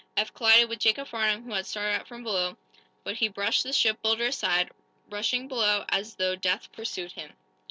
Eph collided with Jacob Farnum, who had started up from below, but he brushed the shipbuilder aside, rushing below as though death pursued him.